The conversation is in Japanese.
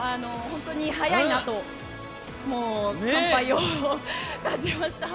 本当に速いなと完敗を感じました。